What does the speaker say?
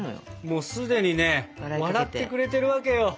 もう既にね笑ってくれてるわけよ。